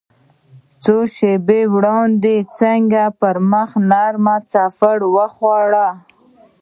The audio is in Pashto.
څو شېبې وړاندې يې څنګه پر مخ نرمه څپېړه وخوړه.